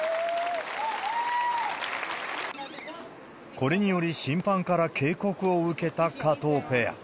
これにより、審判から警告を受けた加藤ペア。